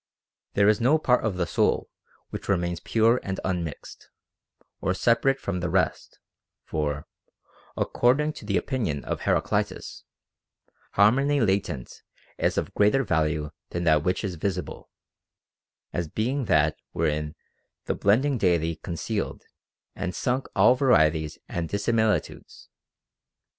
There is no part of the soul which remains pure and unmixed, or separate from the rest ; for, accord ing to the opinion of Heraclitus, " harmony latent is of greater value than that which is visible," as being that wherein the blending Deity concealed and sunk all varie ties and dissimilitudes.